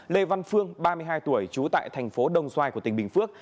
lê văn phương ba mươi hai tuổi trú tại thành phố đồng xoài của tỉnh bình phước